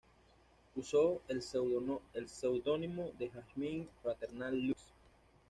Usó el pseudónimo de "Jazmín Fraternal Lux.